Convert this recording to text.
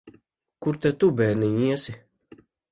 Kur tad tu, bērniņ, iesi?